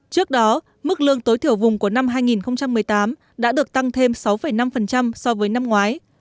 trước đó mức lương tối thiểu vùng của năm hai nghìn một mươi tám đã được tăng thêm sáu năm so với năm ngoái